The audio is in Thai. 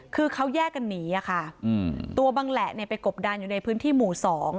คือเขาแยกกันหนีอะค่ะตัวบังแหละไปกบดานอยู่ในพื้นที่หมู่๒